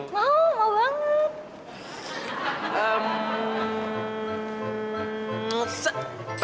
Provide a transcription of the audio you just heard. mau mau banget